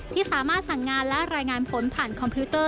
ที่สามารถสั่งงานและรายงานผลผ่านคอมพิวเตอร์